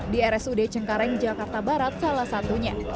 di rsud cengkareng jakarta barat salah satunya